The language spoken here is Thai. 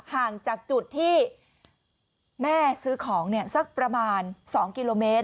ห่างจากจุดที่แม่ซื้อของสักประมาณ๒กิโลเมตร